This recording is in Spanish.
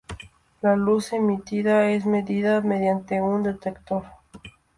La luz emitida es medida mediante un detector.